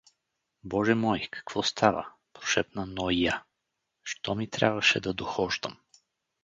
— Боже мой, какво става? — прошепна Ноиа. — Що ми трябваше да дохождам!